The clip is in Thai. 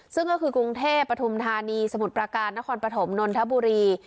ซึ่งก็คือกรุงเทพปฐุมธานีสมุทรประการนครปฐมนนทบุรี